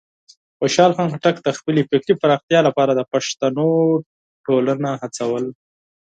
خوشحال خان خټک د خپلې فکري پراختیا لپاره د پښتنو ټولنه هڅول.